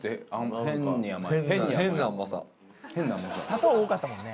「砂糖多かったもんね」